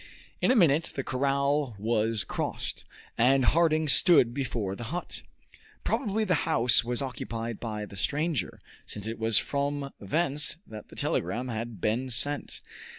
In a minute the corral was crossed, and Harding stood before the hut. Probably the house was occupied by the stranger, since it was from thence that the telegram had been sent.